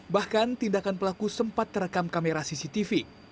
bahkan tindakan pelaku sempat terekam kamera cctv